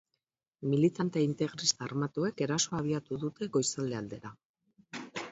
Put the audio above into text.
Militante integrista armatuek erasoa abiatu dute goizalde aldera.